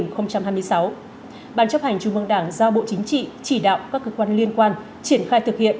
ban chấp hành trung mương đảng giao bộ chính trị chỉ đạo các cơ quan liên quan triển khai thực hiện các thủ tục theo quy định